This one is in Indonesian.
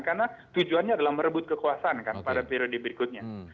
karena tujuannya adalah merebut kekuasaan kan pada periode berikutnya